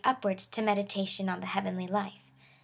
257 upwards to meditation on tlie heavenly life.